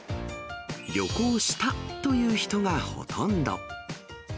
旅行したという人がほとんど。